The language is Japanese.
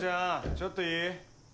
ちょっといい？